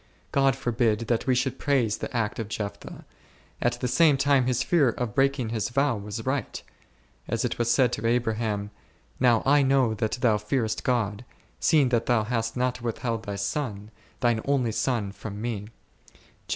God forbid that we should praise the act of Jeph thah ; at the same time his fear of breaking his vow was right : as it was said to Abraham, Now I know that thou fearest God, seeing that thou hast not withheld thy son, thine only son from Me {.